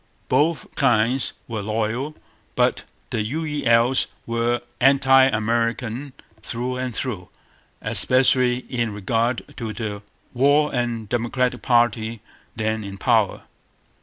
Both kinds were loyal. But the 'U.E.L.'s' were anti American through and through, especially in regard to the war and Democratic party then in power.